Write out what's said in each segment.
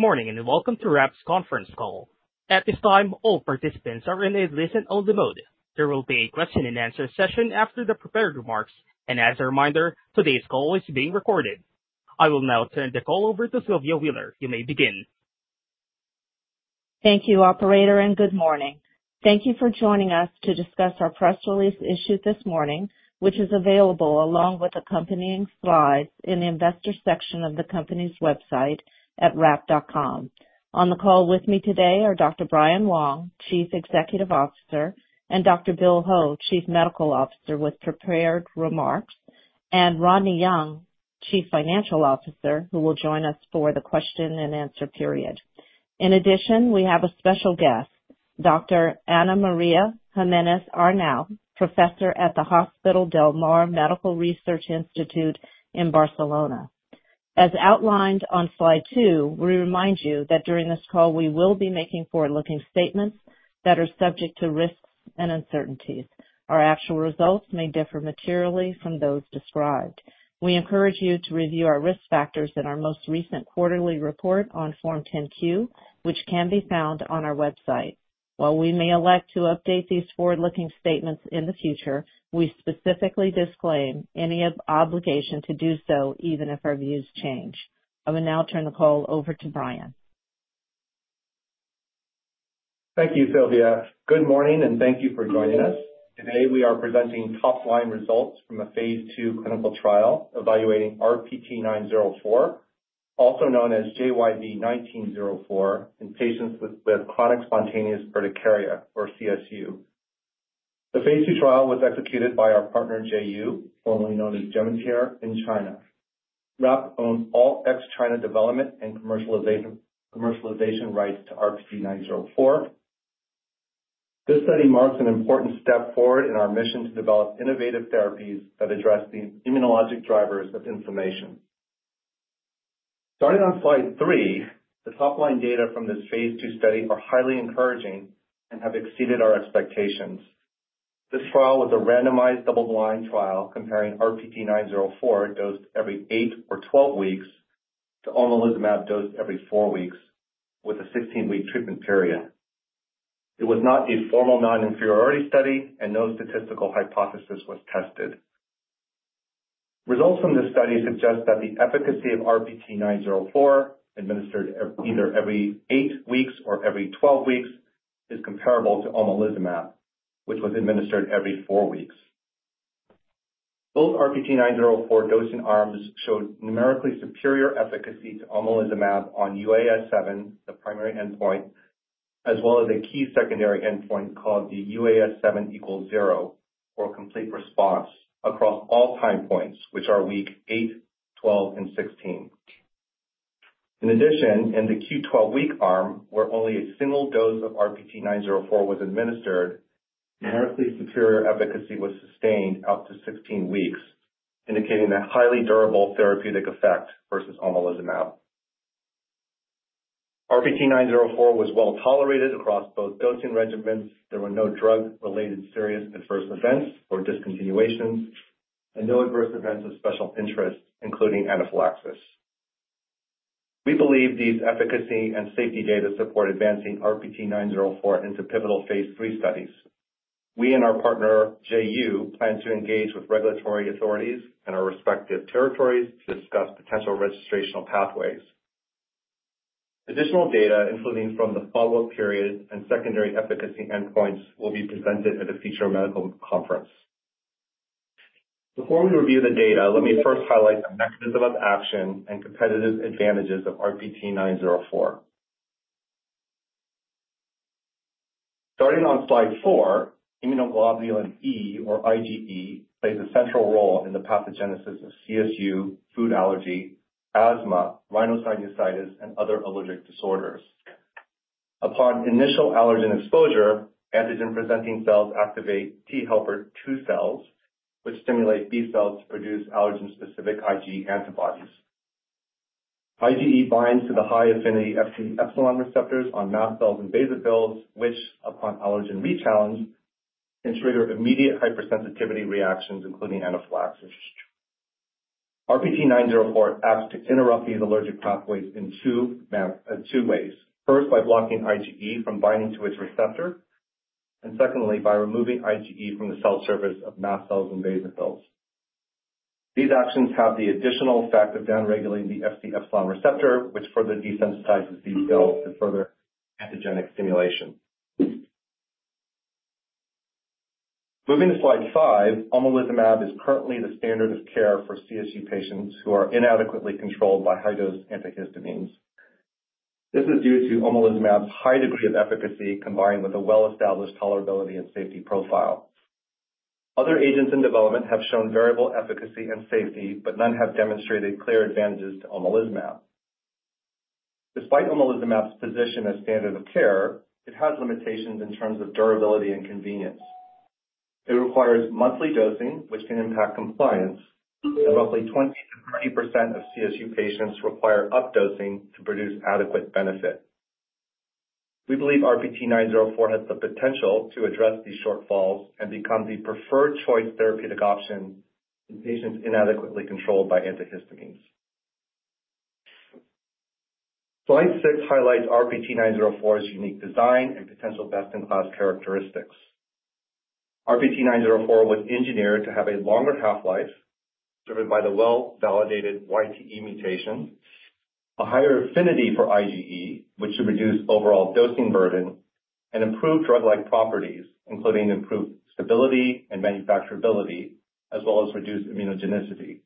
Good morning and welcome to RAPT's conference call. At this time, all participants are in a listen-only mode. There will be a question-and-answer session after the prepared remarks, and as a reminder, today's call is being recorded. I will now turn the call over to Sylvia Wheeler. You may begin. Thank you, Operator, and good morning. Thank you for joining us to discuss our press release issued this morning, which is available along with accompanying slides in the investor section of the company's website at rapt.com. On the call with me today are Dr. Brian Wong, Chief Executive Officer, and Dr. Will Ho, Chief Medical Officer with prepared remarks, and Rodney Young, Chief Financial Officer, who will join us for the question-and-answer period. In addition, we have a special guest, Dr. Ana María Giménez-Arnau, Professor at the Hospital del Mar Medical Research Institute in Barcelona. As outlined on slide two, we remind you that during this call, we will be making forward-looking statements that are subject to risks and uncertainties. Our actual results may differ materially from those described. We encourage you to review our risk factors in our most recent quarterly report on Form 10-Q, which can be found on our website. While we may elect to update these forward-looking statements in the future, we specifically disclaim any obligation to do so even if our views change. I will now turn the call over to Brian. Thank you, Sylvia. Good morning and thank you for joining us. Today, we are presenting top-line results from a phase II clinical trial evaluating RPT904, also known as JYV1904, in patients with chronic spontaneous urticaria, or CSU. The phase II trial was executed by our partner, JU, formerly known as Gemitier, in China. RAPT owns all ex-China development and commercialization rights to RPT904. This study marks an important step forward in our mission to develop innovative therapies that address the immunologic drivers of inflammation. Starting on slide three, the top-line data from this phase II study are highly encouraging and have exceeded our expectations. This trial was a randomized double-blind trial comparing RPT904 dosed every eight or 12 weeks to Omalizumab dosed every four weeks with a 16-week treatment period. It was not a formal non-inferiority study, and no statistical hypothesis was tested. Results from this study suggest that the efficacy of RPT904 administered either every 8 weeks or every 12 weeks is comparable to Omalizumab, which was administered every 4 weeks. Both RPT904 dosing arms showed numerically superior efficacy to Omalizumab on UAS7, the primary endpoint, as well as a key secondary endpoint called the UAS7=0, or complete response, across all time points, which are weeks 8, 12, and 16. In addition, in the Q12W arm, where only a single dose of RPT904 was administered, numerically superior efficacy was sustained out to 16 weeks, indicating a highly durable therapeutic effect versus Omalizumab. RPT904 was well tolerated across both dosing regimens. There were no drug-related serious adverse events or discontinuations, and no adverse events of special interest, including anaphylaxis. We believe these efficacy and safety data support advancing RPT904 into pivotal phase III studies. We and our partner, JU, plan to engage with regulatory authorities in our respective territories to discuss potential registrational pathways. Additional data, including from the follow-up period and secondary efficacy endpoints, will be presented at a future medical conference. Before we review the data, let me first highlight the mechanism of action and competitive advantages of RPT904. Starting on slide four, immunoglobulin E, or IgE, plays a central role in the pathogenesis of CSU, food allergy, asthma, rhinosinusitis, and other allergic disorders. Upon initial allergen exposure, antigen-presenting cells activate T helper II cells, which stimulate B cells to produce allergen-specific IgE antibodies. IgE binds to the high-affinity FcεRI receptors on mast cells and basophils, which, upon allergen re-challenge, can trigger immediate hypersensitivity reactions, including anaphylaxis. RPT904 acts to interrupt these allergic pathways in two ways: first, by blocking IgE from binding to its receptor, and secondly, by removing IgE from the cell surface of mast cells and basophils. These actions have the additional effect of downregulating the FcεRI receptor, which further desensitizes these cells to further antigenic stimulation. Moving to slide five, Omalizumab is currently the standard of care for CSU patients who are inadequately controlled by high-dose antihistamines. This is due to Omalizumab's high degree of efficacy combined with a well-established tolerability and safety profile. Other agents in development have shown variable efficacy and safety, but none have demonstrated clear advantages to Omalizumab. Despite Omalizumab's position as standard of care, it has limitations in terms of durability and convenience. It requires monthly dosing, which can impact compliance, and roughly 20%-30% of CSU patients require updosing to produce adequate benefit. We believe RPT904 has the potential to address these shortfalls and become the preferred choice therapeutic option in patients inadequately controlled by antihistamines. Slide six highlights RPT904's unique design and potential best-in-class characteristics. RPT904 was engineered to have a longer half-life, driven by the well-validated YTE mutation, a higher affinity for IgE, which should reduce overall dosing burden, and improved drug-like properties, including improved stability and manufacturability, as well as reduced immunogenicity.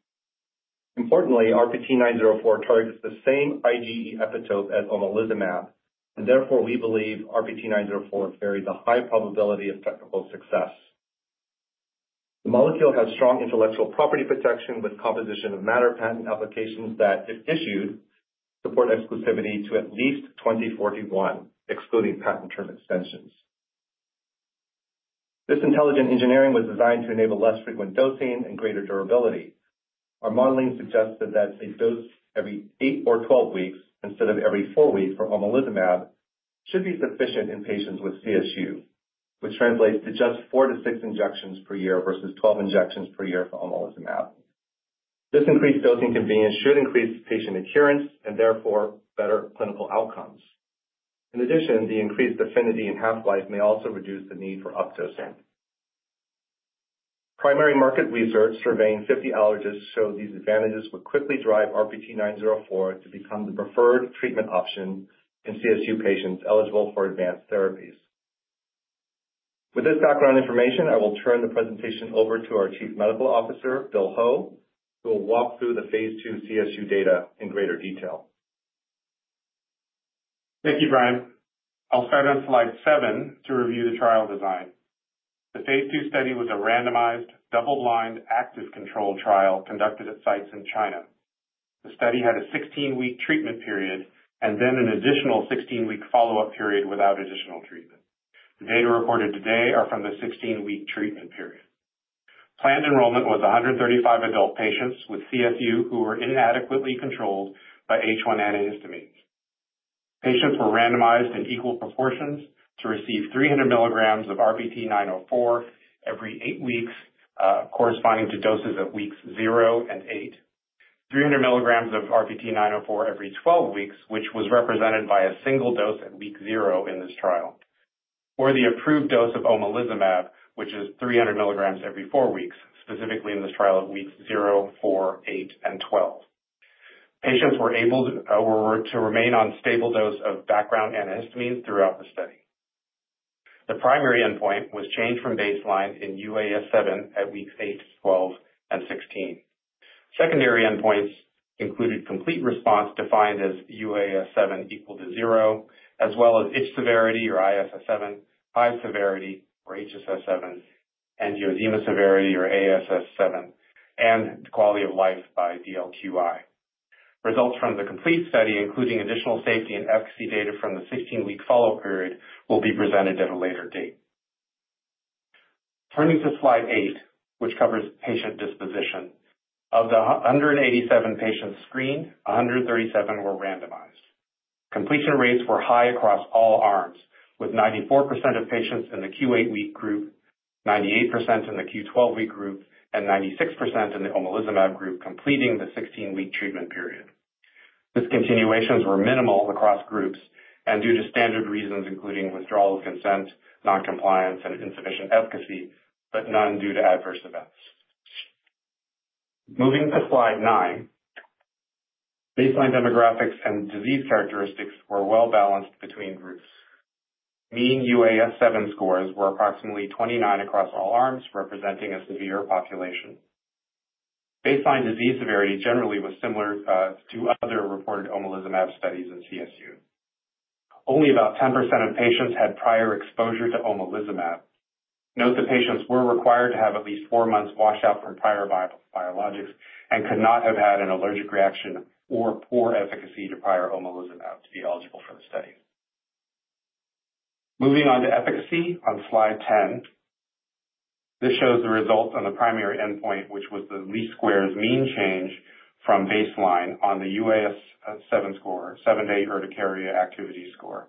Importantly, RPT904 targets the same IgE epitope as Omalizumab, and therefore we believe RPT904 carries a high probability of technical success. The molecule has strong intellectual property protection with composition of matter patent applications that, if issued, support exclusivity to at least 2041, excluding patent term extensions. This intelligent engineering was designed to enable less frequent dosing and greater durability. Our modeling suggested that a dose every 8 or 12 weeks instead of every 4 weeks for Omalizumab should be sufficient in patients with CSU, which translates to just 4-6 injections per year versus 12 injections per year for Omalizumab. This increased dosing convenience should increase patient adherence and therefore better clinical outcomes. In addition, the increased affinity and half-life may also reduce the need for updosing. Primary market research surveying 50 allergists showed these advantages would quickly drive RPT904 to become the preferred treatment option in CSU patients eligible for advanced therapies. With this background information, I will turn the presentation over to our Chief Medical Officer, Will Ho, who will walk through the phase II CSU data in greater detail. Thank you, Brian. I'll start on slide 7 to review the trial design. The phase II study was a randomized double-blind active control trial conducted at sites in China. The study had a 16-week treatment period and then an additional 16-week follow-up period without additional treatment. The data recorded today are from the 16-week treatment period. Planned enrollment was 135 adult patients with CSU who were inadequately controlled by H1 antihistamines. Patients were randomized in equal proportions to receive 300 milligrams of RPT904 every 8 weeks, corresponding to doses at weeks 0 and 8, 300 milligrams of RPT904 every 12 weeks, which was represented by a single dose at week 0 in this trial, or the approved dose of Omalizumab, which is 300 milligrams every 4 weeks, specifically in this trial at weeks 0, 4, 8, and 12. Patients were able to remain on stable dose of background antihistamines throughout the study. The primary endpoint was change from baseline in UAS7 at weeks eight, 12, and 16. Secondary endpoints included complete response defined as UAS7=0, as well as itch severity or ISS7, hive severity or HSS7, angioedema severity or ASS7, and quality of life by DLQI. Results from the complete study, including additional safety and efficacy data from the 16-week follow-up period, will be presented at a later date. Turning to slide eight, which covers patient disposition. Of the 187 patients screened, 137 were randomized. Completion rates were high across all arms, with 94% of patients in the Q8-week group, 98% in the Q12-week group, and 96% in the Omalizumab group completing the 16-week treatment period. Discontinuations were minimal across groups and due to standard reasons, including withdrawal of consent, noncompliance, and insufficient efficacy, but none due to adverse events. Moving to slide nine, baseline demographics and disease characteristics were well balanced between groups. Mean UAS7 scores were approximately 29 across all arms, representing a severe population. Baseline disease severity generally was similar to other reported Omalizumab studies in CSU. Only about 10% of patients had prior exposure to Omalizumab. Note that patients were required to have at least four months washout from prior biologics and could not have had an allergic reaction or poor efficacy to prior Omalizumab to be eligible for the study. Moving on to efficacy on slide 10, this shows the results on the primary endpoint, which was the least squares mean change from baseline on the UAS7 score, seven-day urticaria activity score.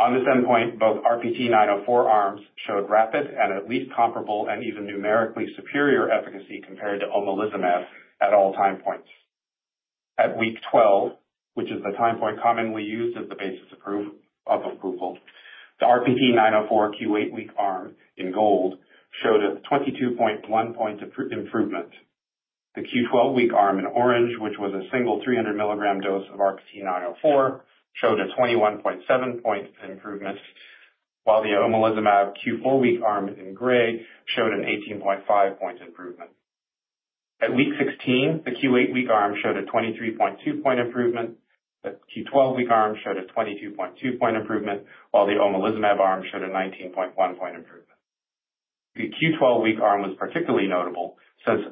On this endpoint, both RPT904 arms showed rapid and at least comparable and even numerically superior efficacy compared to Omalizumab at all time points. At week 12, which is the time point commonly used as the basis of approval, the RPT904 Q8-week arm in gold showed a 22.1 point improvement. The Q12-week arm in orange, which was a single 300 milligram dose of RPT904, showed a 21.7 point improvement, while the Omalizumab Q4 week arm in gray showed an 18.5 point improvement. At week 16, the Q8-week arm showed a 23.2 point improvement. The Q12-week arm showed a 22.2 point improvement, while the Omalizumab arm showed a 19.1 point improvement. The Q12-week arm was particularly notable since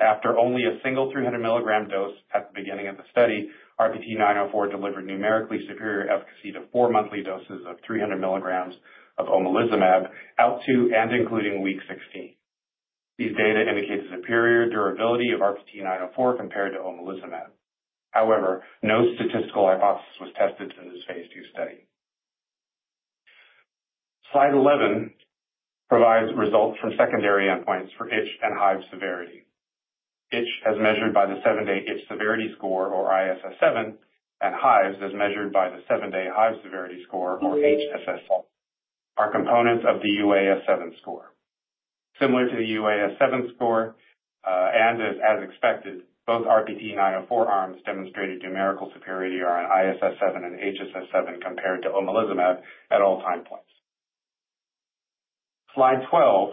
after only a single 300 milligram dose at the beginning of the study, RPT904 delivered numerically superior efficacy to four monthly doses of 300 milligrams of Omalizumab out to and including week 16. These data indicate the superior durability of RPT904 compared to Omalizumab. However, no statistical hypothesis was tested in this phase II study. Slide 11 provides results from secondary endpoints for itch and hive severity. Itch as measured by the seven-day itch severity score, or ISS7, and hives as measured by the seven-day hive severity score, or HSS7, are components of the UAS7 score. Similar to the UAS7 score and as expected, both RPT904 arms demonstrated numerical superiority around ISS7 and HSS7 compared to Omalizumab at all time points. Slide 12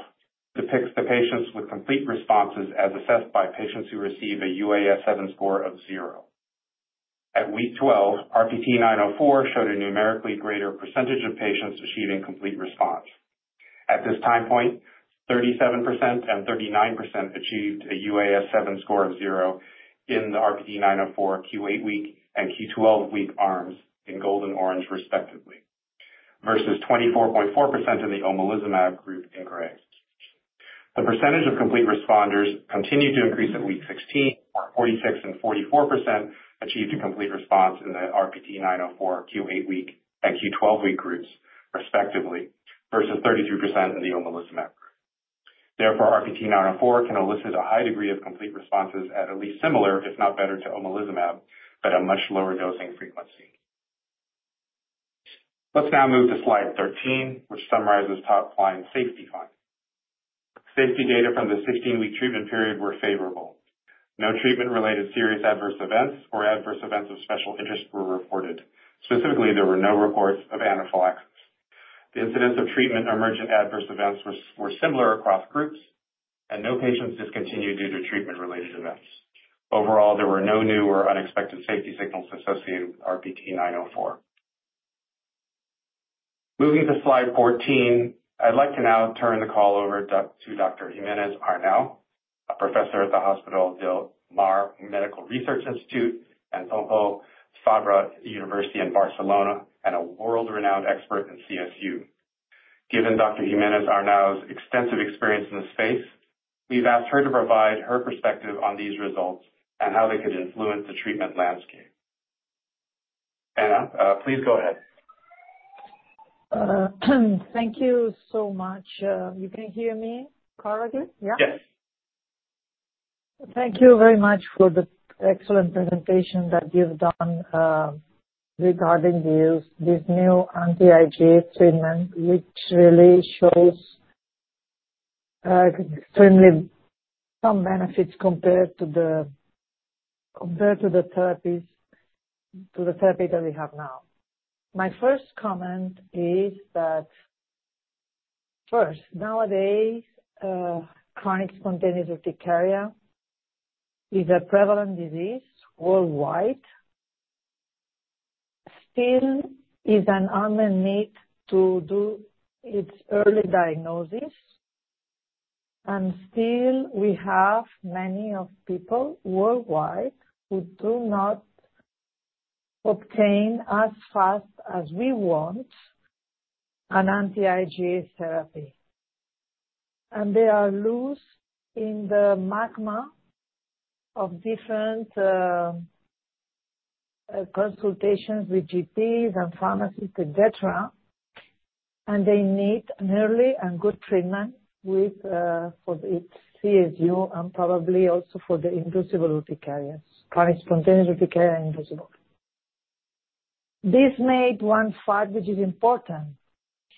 depicts the patients with complete responses as assessed by patients who receive a UAS7 score of zero. At week 12, RPT904 showed a numerically greater percentage of patients achieving Complete Response. At this time point, 37% and 39% achieved a UAS7 score of zero in the RPT904 Q8-week and Q12-week arms in gold and orange respectively, versus 24.4% in the Omalizumab group in gray. The percentage of complete responders continued to increase at week 16, where 46% and 44% achieved a Complete Response in the RPT904 Q8-week and Q12-week groups respectively, versus 32% in the Omalizumab group. Therefore, RPT904 can elicit a high degree of Complete Responses at least similar, if not better, to Omalizumab, but a much lower dosing frequency. Let's now move to slide 13, which summarizes top line safety findings. Safety data from the 16-week treatment period were favorable. No treatment-related Serious Adverse Events or Adverse Events of Special Interest were reported. Specifically, there were no reports of anaphylaxis. The incidence of treatment-emergent adverse events were similar across groups, and no patients discontinued due to treatment-related events. Overall, there were no new or unexpected safety signals associated with RPT904. Moving to slide 14, I'd like to now turn the call over to Dr. Giménez-Arnau, a professor at the Hospital del Mar Medical Research Institute and Pompeu Fabra University in Barcelona and a world-renowned expert in CSU. Given Dr. Giménez-Arnau's extensive experience in this space, we've asked her to provide her perspective on these results and how they could influence the treatment landscape. Anna, please go ahead. Thank you so much. You can hear me correctly? Yeah? Yes. Thank you very much for the excellent presentation that you've done regarding this new anti-IgE treatment, which really shows some benefits compared to the therapies that we have now. My first comment is that, first, nowadays, chronic spontaneous urticaria is a prevalent disease worldwide. Still, it is an unmet need to do its early diagnosis, and still, we have many people worldwide who do not obtain as fast as we want an anti-IgE therapy, and they are loose in the magma of different consultations with GPs and pharmacists, et cetera, and they need an early and good treatment for CSU and probably also for the inducible urticarias, chronic spontaneous urticaria inducible. This made one fact, which is important.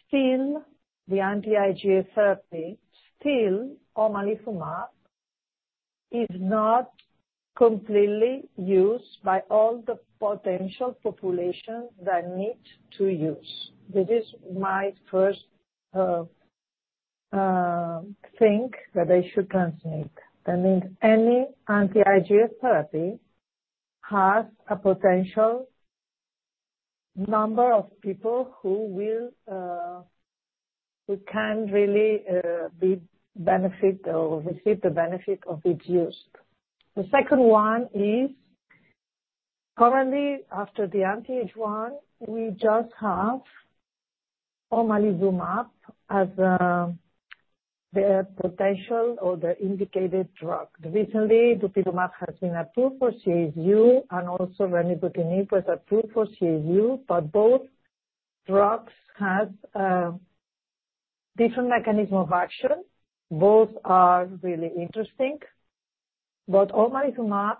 Still, the anti-IgE therapy, still, Omalizumab, is not completely used by all the potential population that needs to use. This is my first thing that I should transmit. I mean, any anti-IgE therapy has a potential number of people who can really benefit or receive the benefit of its use. The second one is, currently, after the anti-H1, we just have Omalizumab as the potential or the indicated drug. Recently, dupilumab has been approved for CSU, and also Remibrutinib was approved for CSU, but both drugs have different mechanisms of action. Both are really interesting, but Omalizumab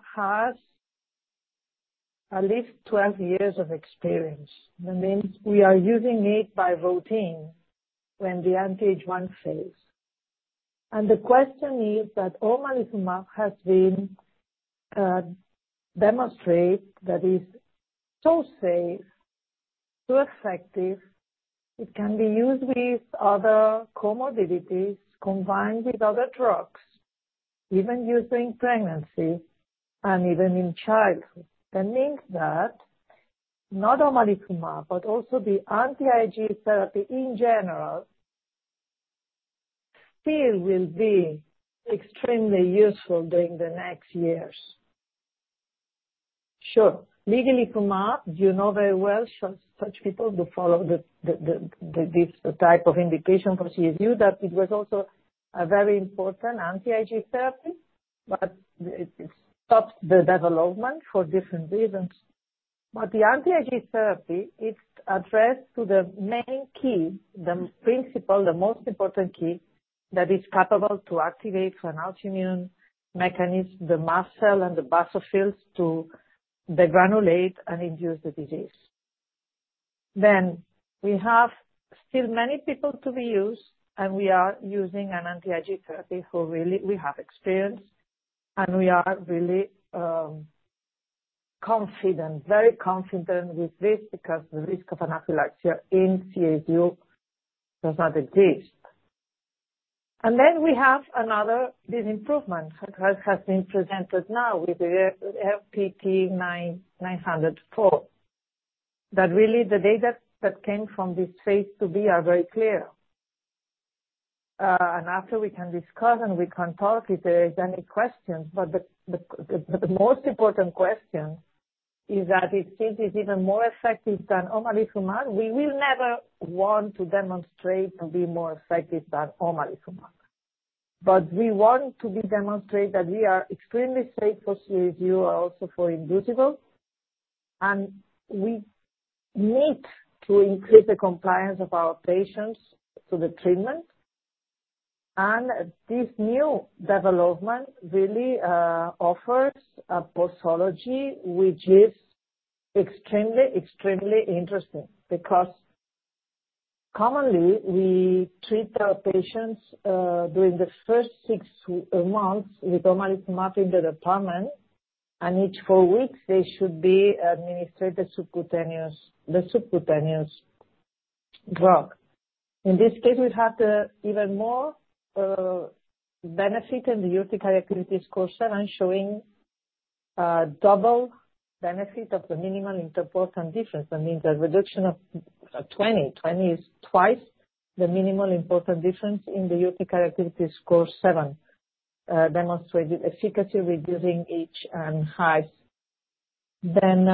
has at least 12 years of experience. That means we are using it routinely when the anti-H1 fails. And the question is that Omalizumab has been demonstrated that it is so safe, so effective, it can be used with other comorbidities combined with other drugs, even during pregnancy and even in childhood. That means that not only Omalizumab, but also the anti-IgE therapy in general still will be extremely useful during the next years. Sure. Ligelizumab, you know very well, such people who follow this type of indication for CSU, that it was also a very important anti-IgE therapy, but it stopped the development for different reasons. But the anti-IgE therapy, it addressed to the main key, the principle, the most important key that is capable to activate an autoimmune mechanism, the mast cell and the basophils to degranulate and induce the disease. Then we have still many people to be used, and we are using an anti-IgE therapy who really we have experience, and we are really confident, very confident with this because the risk of anaphylaxis in CSU does not exist. And then we have another big improvement that has been presented now with the RPT904. That really, the data that came from this phase II-B are very clear. And after, we can discuss and we can talk if there are any questions, but the most important question is that it seems it's even more effective than Omalizumab. We will never want to demonstrate to be more effective than Omalizumab, but we want to demonstrate that we are extremely safe for CSU, also for inducible, and we need to increase the compliance of our patients to the treatment, and this new development really offers a pathology which is extremely, extremely interesting because commonly we treat our patients during the first six months with Omalizumab in the department, and each four weeks they should be administered the subcutaneous drug. In this case, we've had even more benefit in the urticaria activity score seven showing double benefit of the minimal important difference. That means a reduction of 20. 20 is twice the minimal important difference in the Urticaria Activity Score 7 demonstrated efficacy reducing itch and hives, then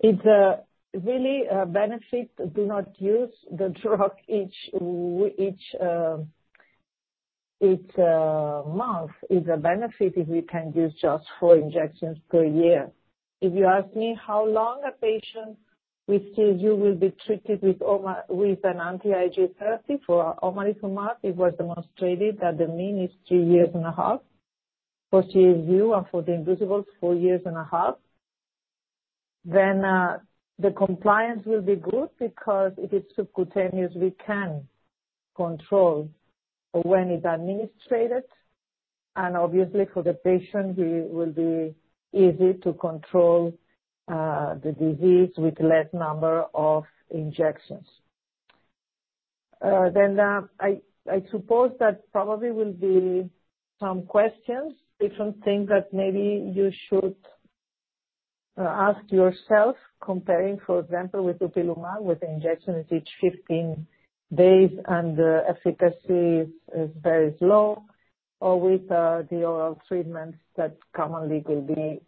it's really a benefit to not use the drug each month. It's a benefit if we can use just four injections per year. If you ask me how long a patient with CSU will be treated with an anti-IgE therapy for Omalizumab, it was demonstrated that the mean is three years and a half for CSU and for the inducibles four years and a half, then the compliance will be good because if it's subcutaneous, we can control when it's administered, and obviously for the patient, it will be easy to control the disease with less number of injections. Then, I suppose that probably will be some questions, different things that maybe you should ask yourself comparing, for example, with dupilumab with injections each 15 days and the efficacy is very slow, or with the oral treatments that commonly will be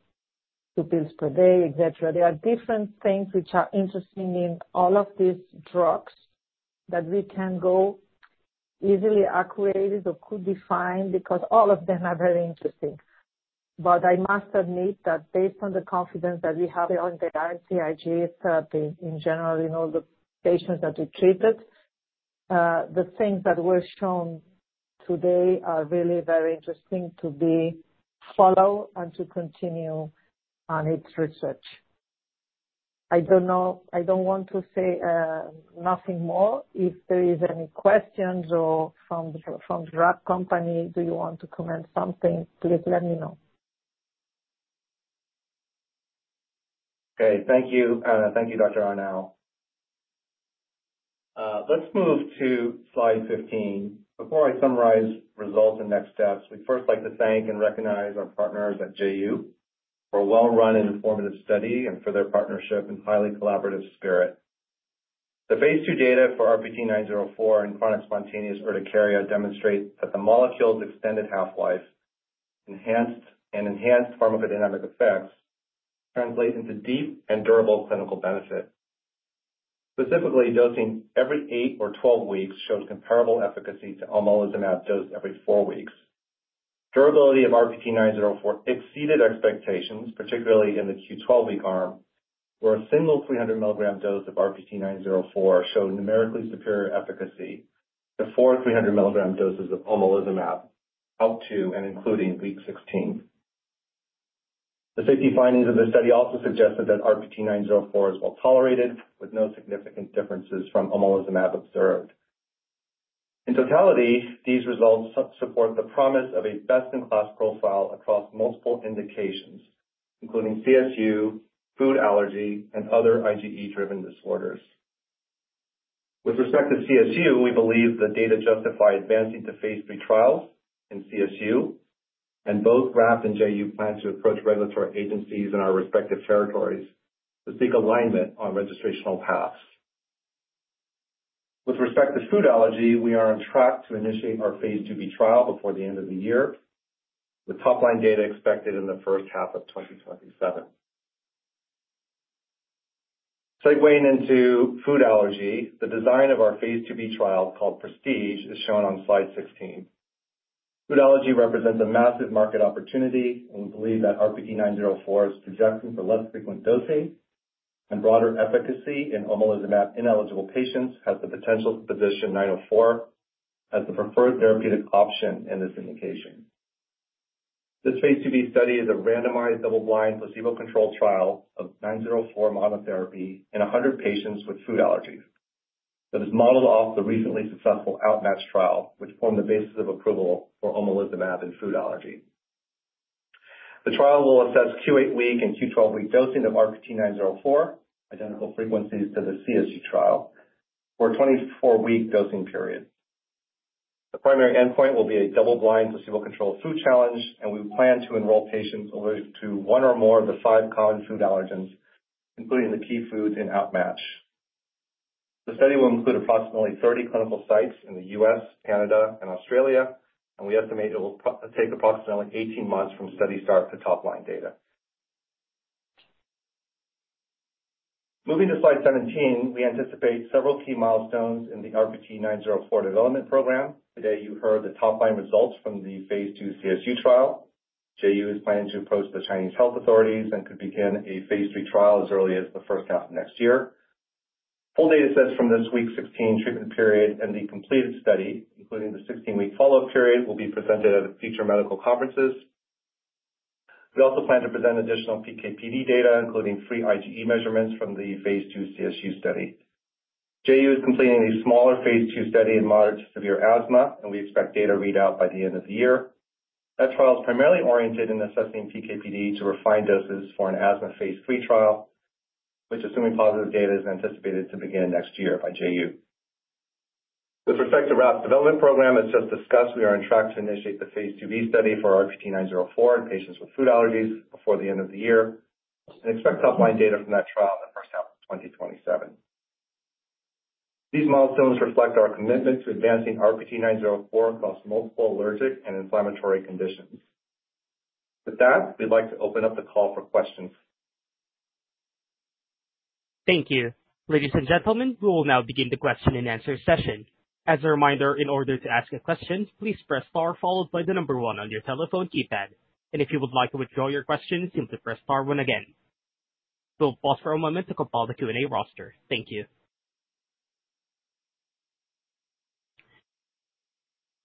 two pills per day, et cetera. There are different things which are interesting in all of these drugs that we can go easily accurate or could define because all of them are very interesting. But I must admit that based on the confidence that we have on the anti-IgE therapy in general in all the patients that we treated, the things that were shown today are really very interesting to be followed and to continue on its research. I don't want to say nothing more. If there are any questions from the drug company, do you want to comment something? Please let me know. Okay. Thank you. Thank you, Dr. Giménez-Arnau. Let's move to slide 15. Before I summarize results and next steps, we'd first like to thank and recognize our partners at JU for a well-run and informative study and for their partnership and highly collaborative spirit. The phase II data for RPT904 and chronic spontaneous urticaria demonstrate that the molecule's extended half-life and enhanced pharmacodynamic effects translate into deep and durable clinical benefit. Specifically, dosing every eight or 12 weeks showed comparable efficacy to Omalizumab dosed every four weeks. Durability of RPT904 exceeded expectations, particularly in the Q12-week arm, where a single 300 milligram dose of RPT904 showed numerically superior efficacy to four 300 milligram doses of Omalizumab out to and including week 16. The safety findings of the study also suggested that RPT904 is well tolerated with no significant differences from Omalizumab observed. In totality, these results support the promise of a best-in-class profile across multiple indications, including CSU, food allergy, and other IgE-driven disorders. With respect to CSU, we believe the data justify advancing to phase III trials in CSU, and both RAPT and JU plan to approach regulatory agencies in our respective territories to seek alignment on registrational paths. With respect to food allergy, we are on track to initiate our phase II-B trial before the end of the year, with top line data expected in the first half of 2027. Segueing into food allergy, the design of our phase II-B trial called Prestige is shown on slide 16. Food allergy represents a massive market opportunity, and we believe that RPT904's suggestion for less frequent dosing and broader efficacy in Omalizumab ineligible patients has the potential to position 904 as the preferred therapeutic option in this indication. This phase II-B study is a randomized double-blind placebo-controlled trial of RPT904 monotherapy in 100 patients with food allergies. It is modeled off the recently successful OutMatch trial, which formed the basis of approval for Omalizumab in food allergy. The trial will assess Q8-week and Q12-week dosing of RPT904, identical frequencies to the CSU trial, for a 24-week dosing period. The primary endpoint will be a double-blind placebo-controlled food challenge, and we plan to enroll patients to one or more of the five common food allergens, including the key foods in OutMatch. The study will include approximately 30 clinical sites in the U.S., Canada, and Australia, and we estimate it will take approximately 18 months from study start to top line data. Moving to slide 17, we anticipate several key milestones in the RPT904 development program. Today, you heard the top line results from the phase II CSU trial. JU is planning to approach the Chinese health authorities and could begin a phase III trial as early as the first half of next year. Full data sets from this week 16 treatment period and the completed study, including the 16-week follow-up period, will be presented at future medical conferences. We also plan to present additional PK/PD data, including free IgE measurements from the phase II CSU study. JU is completing a smaller phase II study in moderate to severe asthma, and we expect data readout by the end of the year. That trial is primarily oriented in assessing PK/PD to refine doses for an asthma phase III trial, which, assuming positive data, is anticipated to begin next year by JU. With respect to RAPT development program, as just discussed, we are on track to initiate the phase II-B study for RPT904 in patients with food allergies before the end of the year and expect top line data from that trial in the first half of 2027. These milestones reflect our commitment to advancing RPT904 across multiple allergic and inflammatory conditions. With that, we'd like to open up the call for questions. Thank you. Ladies and gentlemen, we will now begin the question and answer session. As a reminder, in order to ask a question, please press star followed by the number one on your telephone keypad, and if you would like to withdraw your question, simply press star one again. We'll pause for a moment to compile the Q&A roster. Thank you.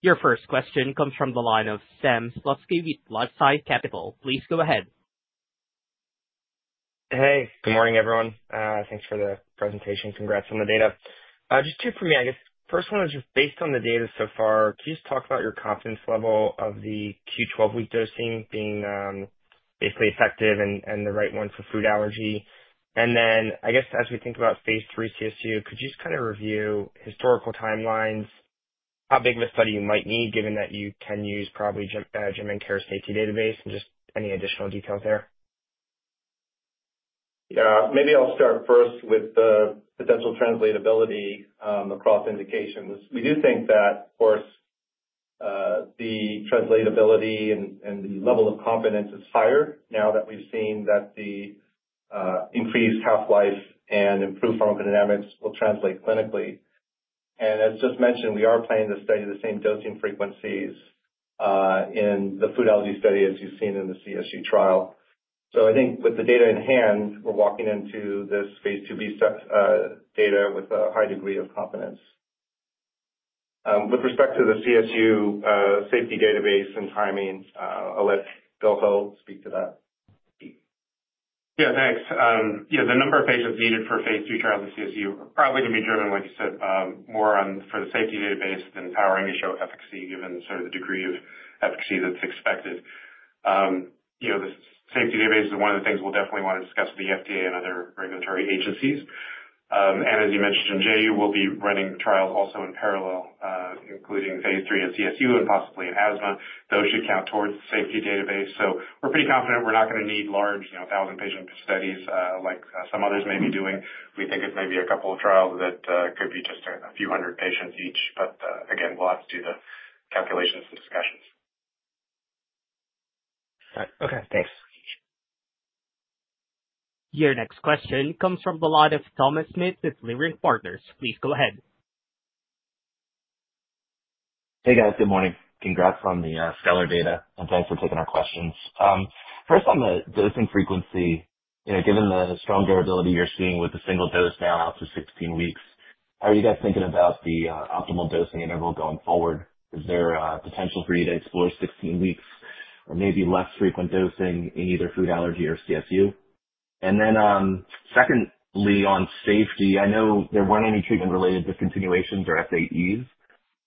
Your first question comes from the line of Sam Slutsky with LifeSci Capital. Please go ahead. Hey. Good morning, everyone. Thanks for the presentation. Congrats on the data. Just two for me, I guess. First one is just based on the data so far, could you just talk about your confidence level of the Q12-week dosing being basically effective and the right one for food allergy? And then I guess as we think about phase III CSU, could you just kind of review historical timelines, how big of a study you might need given that you can use probably Japan and Korea safety database and just any additional details there? Yeah. Maybe I'll start first with the potential translatability across indications. We do think that, of course, the translatability and the level of confidence is higher now that we've seen that the increased half-life and improved pharmacodynamics will translate clinically. And as just mentioned, we are planning to study the same dosing frequencies in the food allergy study as you've seen in the CSU trial. So I think with the data in hand, we're walking into this phase II-B data with a high degree of confidence. With respect to the CSU safety database and timing, I'll let Will Ho speak to that. Yeah. Thanks. Yeah. The number of patients needed for phase III trials in CSU are probably going to be driven, like you said, more for the safety database than powering to show efficacy given sort of the degree of efficacy that's expected. The safety database is one of the things we'll definitely want to discuss with the FDA and other regulatory agencies. And as you mentioned, JU will be running trials also in parallel, including phase III in CSU and possibly in asthma. Those should count towards the safety database. So we're pretty confident we're not going to need large 1,000-patient studies like some others may be doing. We think it may be a couple of trials that could be just a few hundred patients each, but again, we'll have to do the calculations and discussions. All right. Okay. Thanks. Your next question comes from the line of Thomas Smith with Leerink Partners. Please go ahead. Hey, guys. Good morning. Congrats on the stellar data, and thanks for taking our questions. First, on the dosing frequency, given the strong durability you're seeing with the single dose now out to 16 weeks, how are you guys thinking about the optimal dosing interval going forward? Is there potential for you to explore 16 weeks or maybe less frequent dosing in either food allergy or CSU? And then secondly, on safety, I know there weren't any treatment-related discontinuations or FAEs,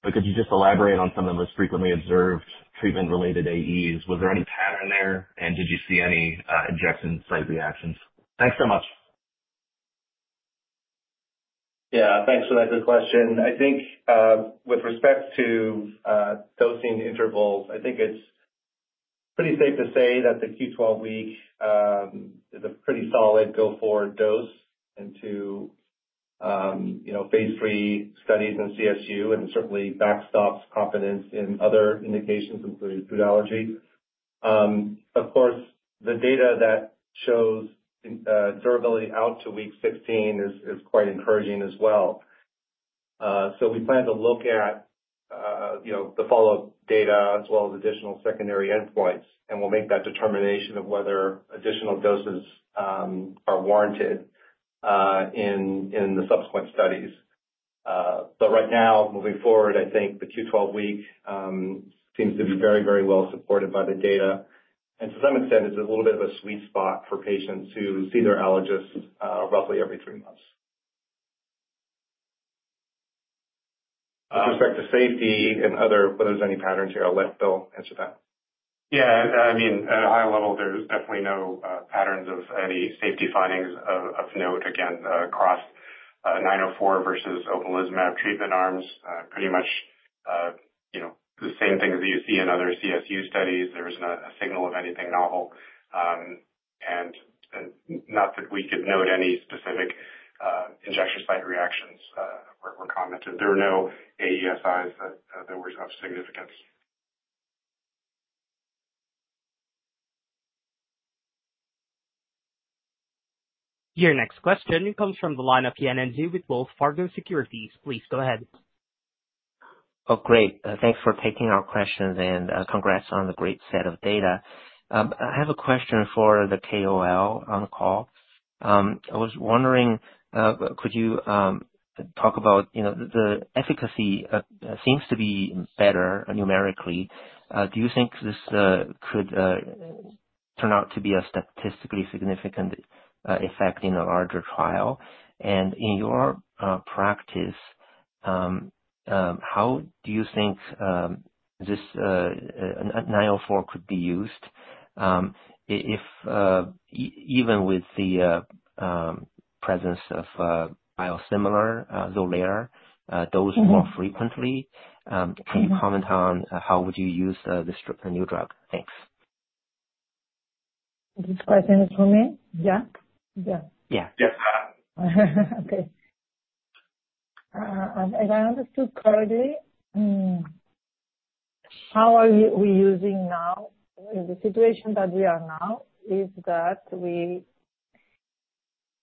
but could you just elaborate on some of the most frequently observed treatment-related AEs? Was there any pattern there, and did you see any injection site reactions? Thanks so much. Yeah. Thanks for that good question. I think with respect to dosing intervals, I think it's pretty safe to say that the Q12-week is a pretty solid go-forward dose into phase III studies in CSU and certainly backstops confidence in other indications, including food allergy. Of course, the data that shows durability out to week 16 is quite encouraging as well. So we plan to look at the follow-up data as well as additional secondary endpoints, and we'll make that determination of whether additional doses are warranted in the subsequent studies. But right now, moving forward, I think the Q12-week seems to be very, very well supported by the data. And to some extent, it's a little bit of a sweet spot for patients who see their allergist roughly every three months. With respect to safety and whether there's any patterns here, I'll let Will answer that. Yeah. I mean, at a high level, there's definitely no patterns of any safety findings of note, again, across 904 versus Omalizumab treatment arms. Pretty much the same things that you see in other CSU studies. There isn't a signal of anything novel. And not that we could note any specific injection site reactions were commented. There were no AESIs that were of significance. Your next question comes from the line of Yanan Zhu with Wells Fargo Securities. Please go ahead. Oh, great. Thanks for taking our questions, and congrats on the great set of data. I have a question for the KOL on the call. I was wondering, could you talk about the efficacy seems to be better numerically? Do you think this could turn out to be a statistically significant effect in a larger trial? And in your practice, how do you think this 904 could be used? Even with the presence of biosimilar Xolair, dosed more frequently, can you comment on how would you use this new drug? Thanks. This question is for me? Yeah? Yeah. Yeah. Okay. If I understood correctly, how are we using now in the situation that we are now is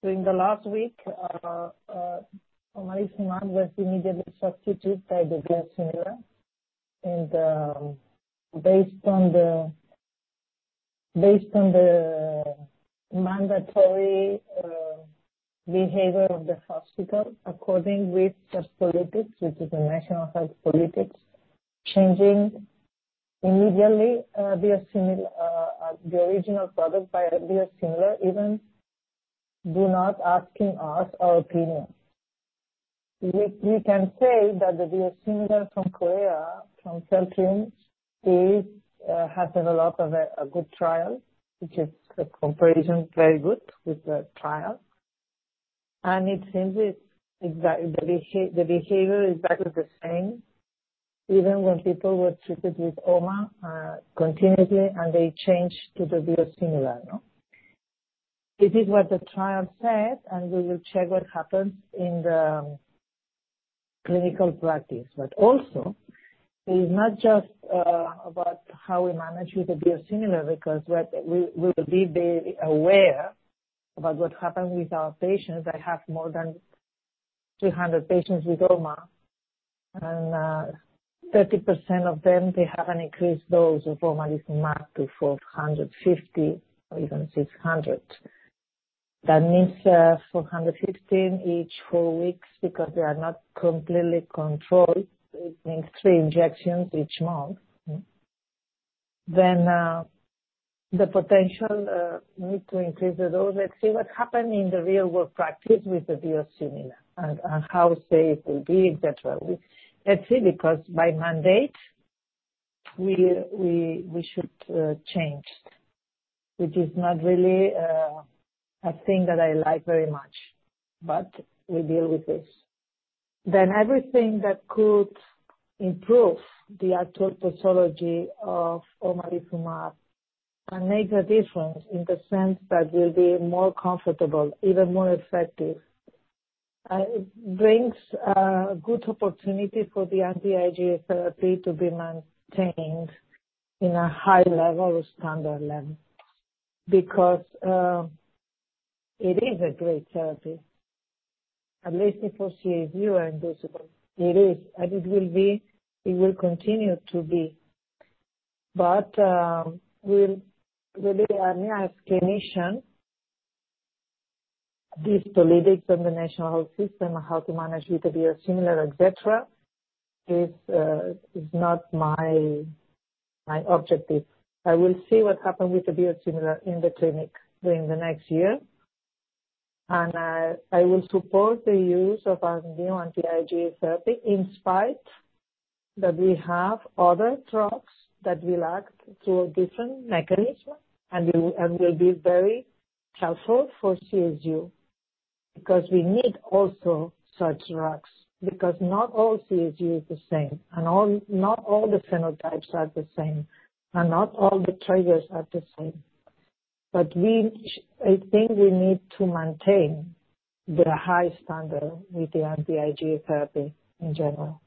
that during the last week, Omalizumab was immediately substituted by the biosimilar based on the mandatory behavior of the hospital according with health politics, which is the National Health Politics, changing immediately the original product by biosimilar even without asking us our opinion. We can say that the biosimilar from Korea, from Celltrion, has a lot of a good trial, which is a comparison very good with the trial, and it seems the behavior is exactly the same even when people were treated with OMA continuously and they changed to the biosimilar. This is what the trial said, and we will check what happens in the clinical practice, but also, it's not just about how we manage with the biosimilar because we will be very aware about what happened with our patients. I have more than 300 patients with OMA, and 30% of them, they have an increased dose of Omalizumab to 450 or even 600. That means 450 each four weeks because they are not completely controlled. It means three injections each month. Then the potential need to increase the dose, let's see what happened in the real-world practice with the biosimilar and how safe it will be, etc. Let's see because by mandate, we should change, which is not really a thing that I like very much, but we deal with this. Then everything that could improve the actual pathology of Omalizumab and make a difference in the sense that we'll be more comfortable, even more effective, brings a good opportunity for the anti-IgE therapy to be maintained in a high level or standard level because it is a great therapy, at least for CSU and dosable. It is, and it will be, it will continue to be. But really, I mean, as a clinician, these politics on the national health system and how to manage with the biosimilar, etc., is not my objective. I will see what happens with the biosimilar in the clinic during the next year, and I will support the use of our new anti-IgE therapy in spite that we have other drugs that will act through a different mechanism and will be very helpful for CSU because we need also such drugs because not all CSU is the same and not all the phenotypes are the same and not all the triggers are the same. But I think we need to maintain the high standard with the anti-IgE therapy in general.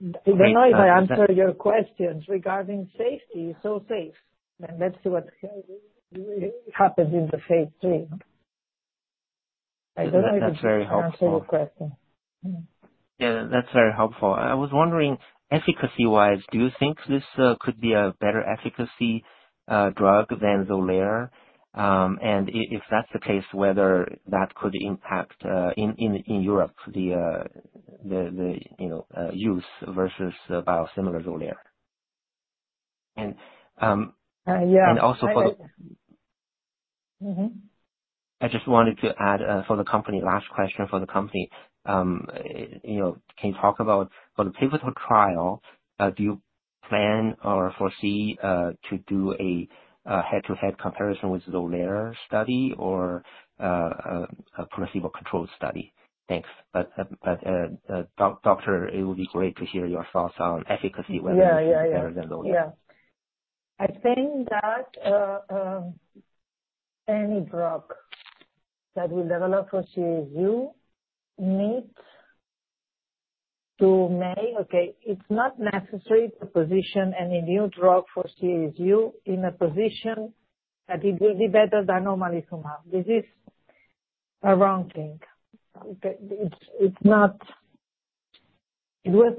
I don't know if I answered your questions regarding safety. It's so safe. Then let's see what happens in the phase III. I don't know if I answered your question. Yeah. That's very helpful. I was wondering, efficacy-wise, do you think this could be a better efficacy drug than Xolair? And if that's the case, whether that could impact in Europe the use versus biosimilar Xolair? And also for the. Yeah. I just wanted to add for the company, last question for the company, can you talk about for the pivotal trial, do you plan or foresee to do a head-to-head comparison with Xolair study or a placebo-controlled study? Thanks, but Doctor, it would be great to hear your thoughts on efficacy, whether it's better than Xolair. Yeah. Yeah. I think that any drug that we develop for CSU needs to make, okay, it's not necessary to position any new drug for CSU in a position that it will be better than Omalizumab. This is a wrong thing. It was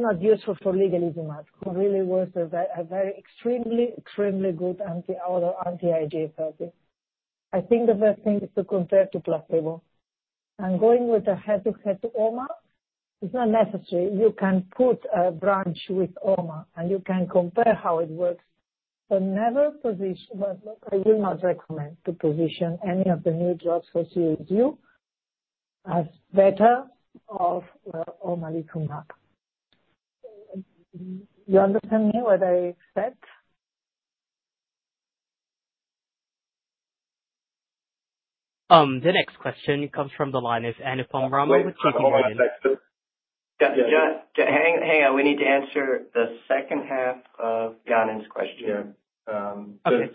not useful for Ligelizumab. It really was a very extremely, extremely good anti-IgE therapy. I think the best thing is to compare to placebo, and going with a head-to-head to OMA, it's not necessary. You can put a branch with OMA, and you can compare how it works, but never position. I will not recommend to position any of the new drugs for CSU as better than Omalizumab. You understand me what I said? The next question comes from the line of Anupam Rama with J.P. Morgan. Hang on. We need to answer the second half of Gannon's question.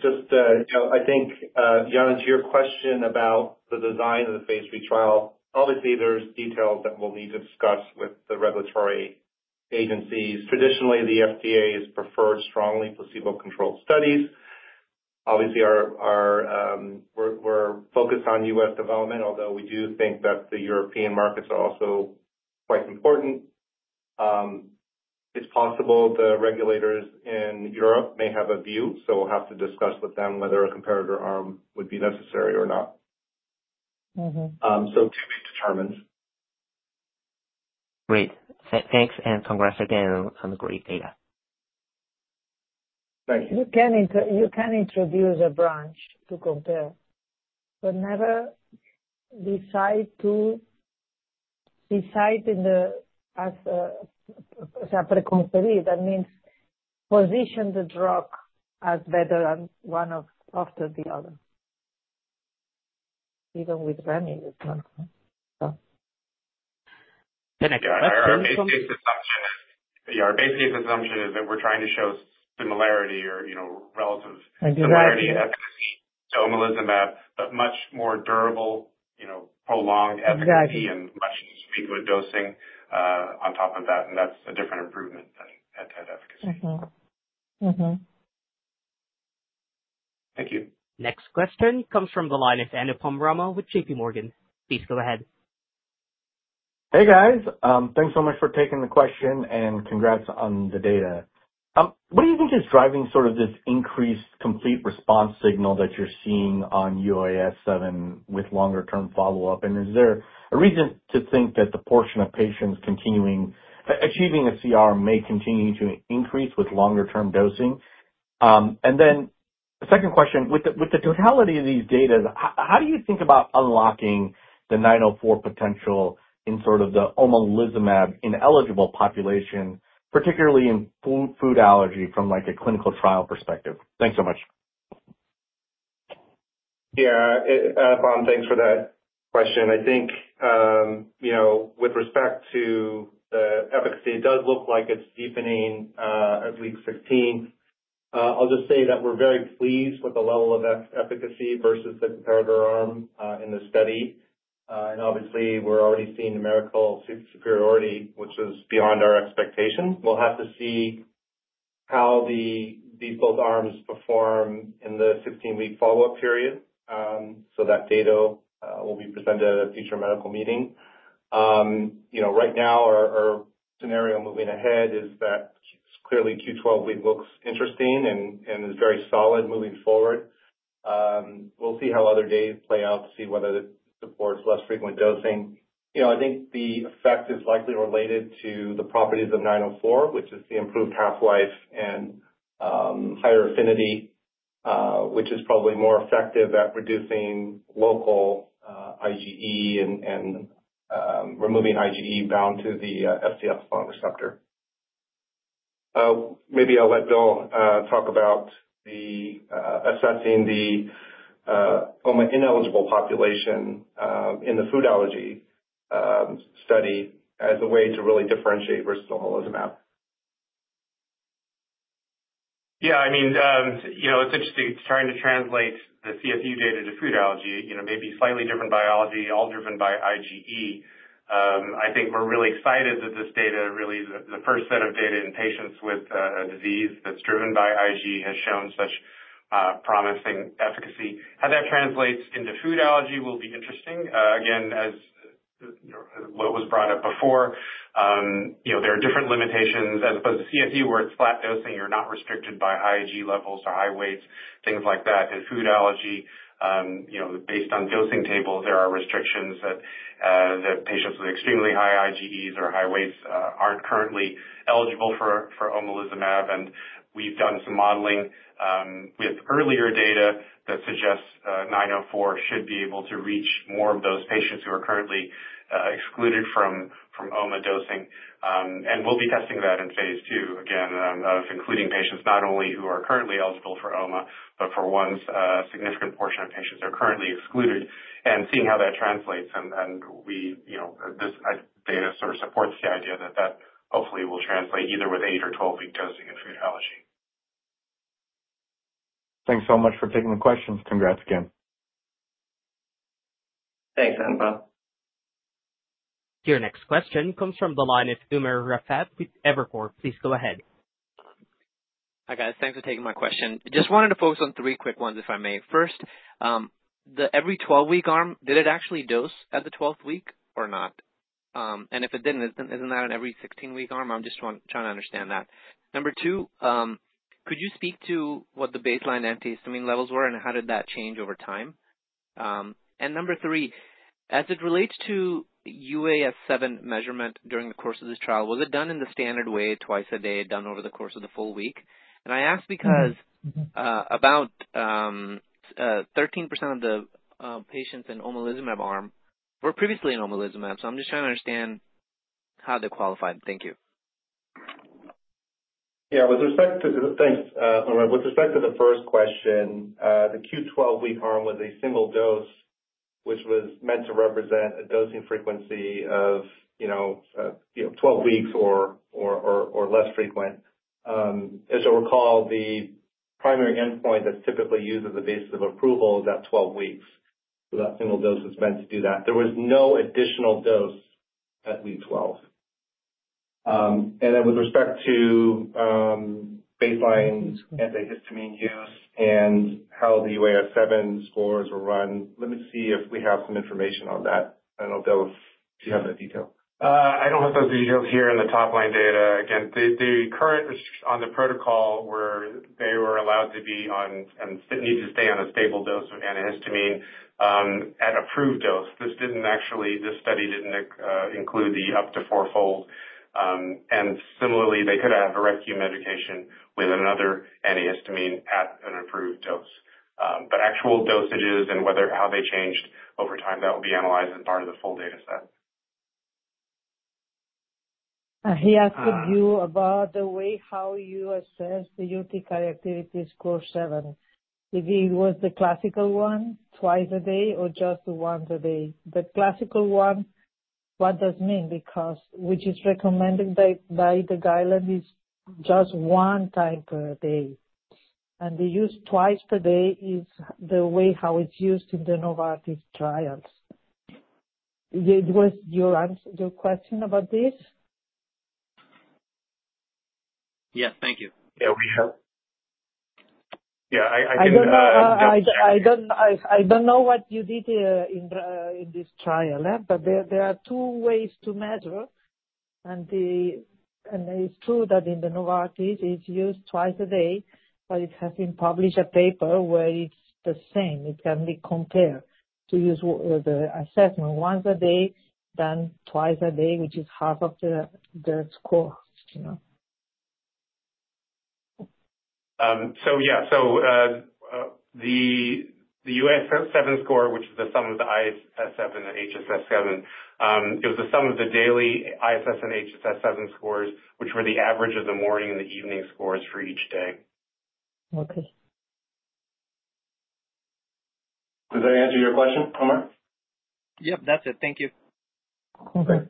Just, I think, Gannon, to your question about the design of the phase III trial, obviously, there are details that we'll need to discuss with the regulatory agencies. Traditionally, the FDA has preferred strongly placebo-controlled studies. Obviously, we're focused on U.S. development, although we do think that the European markets are also quite important. It's possible the regulators in Europe may have a view, so we'll have to discuss with them whether a comparator arm would be necessary or not. So to be determined. Great. Thanks. And congrats again on the great data. Thank you. You can introduce a brand to compare, but never decide it as a preconceived. That means position the drug as better than the other, even with remedies, not so. The next question. Yeah. Our basic assumption is that we're trying to show similarity or relative similarity efficacy to Omalizumab, but much more durable, prolonged efficacy, and much more frequent dosing on top of that. And that's a different improvement than head-to-head efficacy. Thank you. Next question comes from the line of Anupam Rama with JPMorgan. Please go ahead. Hey, guys. Thanks so much for taking the question, and congrats on the data. What do you think is driving sort of this increased complete response signal that you're seeing on UAS7 with longer-term follow-up? And is there a reason to think that the portion of patients achieving a CR may continue to increase with longer-term dosing? And then second question, with the totality of these data, how do you think about unlocking the 904 potential in sort of the Omalizumab ineligible population, particularly in food allergy from a clinical trial perspective? Thanks so much. Yeah. Anna, Tom, thanks for that question. I think with respect to the efficacy, it does look like it's deepening at week 16. I'll just say that we're very pleased with the level of efficacy versus the comparator arm in the study. And obviously, we're already seeing numerical superiority, which is beyond our expectations. We'll have to see how these both arms perform in the 16-week follow-up period. So that data will be presented at a future medical meeting. Right now, our scenario moving ahead is that clearly Q12-week looks interesting and is very solid moving forward. We'll see how other doses play out to see whether it supports less frequent dosing. I think the effect is likely related to the properties of 904, which is the improved half-life and higher affinity, which is probably more effective at reducing local IgE and removing IgE bound to the FcεRI receptor. Maybe I'll let Will talk about assessing the omalizumab-ineligible population in the food allergy study as a way to really differentiate versus Omalizumab. Yeah. I mean, it's interesting. It's trying to translate the CSU data to food allergy, maybe slightly different biology, all driven by IgE. I think we're really excited that this data really is the first set of data in patients with a disease that's driven by IgE has shown such promising efficacy. How that translates into food allergy will be interesting. Again, as what was brought up before, there are different limitations. As opposed to CSU, where it's flat dosing, you're not restricted by high IgE levels or high weights, things like that. In food allergy, based on dosing tables, there are restrictions that patients with extremely high IgEs or high weights aren't currently eligible for Omalizumab. And we've done some modeling with earlier data that suggests 904 should be able to reach more of those patients who are currently excluded from OMA dosing. And we'll be testing that in phase II regimen of including patients not only who are currently eligible for OMA, but for one significant portion of patients that are currently excluded and seeing how that translates. And this data sort of supports the idea that that hopefully will translate either with eight or 12-week dosing in food allergy. Thanks so much for taking the questions. Congrats again. Thanks, Anupam. Your next question comes from the line of Umar Raffat with Evercore ISI. Please go ahead. Hi, guys. Thanks for taking my question. Just wanted to focus on three quick ones, if I may. First, the every 12-week arm, did it actually dose at the 12th week or not? And if it didn't, isn't that an every 16-week arm? I'm just trying to understand that. Number two, could you speak to what the baseline antihistamine levels were and how did that change over time? And number three, as it relates to UAS7 measurement during the course of this trial, was it done in the standard way, twice a day, done over the course of the full week? And I ask because about 13% of the patients in Omalizumab arm were previously on Omalizumab. So I'm just trying to understand how they qualified. Thank you. Yeah. Thanks, Umar. With respect to the first question, the Q12-week arm was a single dose, which was meant to represent a dosing frequency of 12 weeks or less frequent. As you'll recall, the primary endpoint that's typically used as a basis of approval is at 12 weeks. So that single dose is meant to do that. There was no additional dose at week 12. Then with respect to baseline antihistamine use and how the UAS7 scores were run, let me see if we have some information on that. I don't know, Will, if you have that detail. I don't have those details here in the top-line data. Again, the current restrictions on the protocol were they were allowed to be on and need to stay on a stable dose of antihistamine at approved dose. This study didn't include the up to four-fold. And similarly, they could have a rescue medication with another antihistamine at an approved dose. But actual dosages and how they changed over time, that will be analyzed as part of the full data set. He asked you about the way how you assess the Urticaria Activity Score 7. If it was the classical one, twice a day, or just once a day. The classical one, what does it mean? Because which is recommended by the guideline is just one time per day. And the use twice per day is the way how it's used in the Novartis trials. It was your question about this? Yes. Thank you. Yeah. Yeah. I didn't have that. I don't know what you did in this trial, but there are two ways to measure, and it's true that in the Novartis, it's used twice a day, but it has been published a paper where it's the same. It can be compared to use the assessment once a day, then twice a day, which is half of the score. So yeah. So the UAS7 score, which is the sum of the ISS7 and HSS7, it was the sum of the daily ISS and HSS7 scores, which were the average of the morning and the evening scores for each day. Okay. Does that answer your question, Umar? Yep. That's it. Thank you. Okay.